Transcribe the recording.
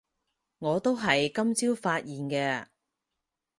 我都係今朝發現嘅